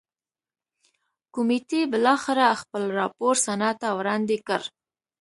کمېټې بالاخره خپل راپور سنا ته وړاندې کړ.